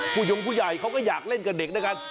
ผู้ยงผู้ใหญ่เขาก็อยากเล่นกับเด็กนะครับ